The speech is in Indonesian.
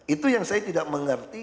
itu yang saya tidak mengerti